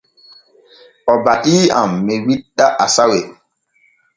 O batii am mi witta asawe.